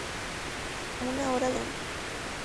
Una hora de duración.